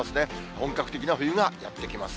本格的な冬がやって来ます。